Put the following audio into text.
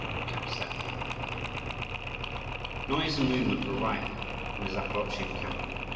CHAPTER VII Noise and movement were rife in the Zaporozhian camp.